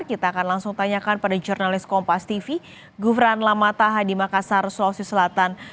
kita akan langsung tanyakan pada jurnalis kompas tv gufran lamataha di makassar sulawesi selatan